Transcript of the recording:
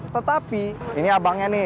tetapi ini abangnya nih